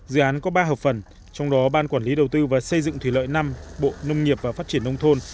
dự án có ba hợp phần trong đó ban quản lý đầu tư và xây dựng thủy lợi năm bộ nông nghiệp và phát triển nông thôn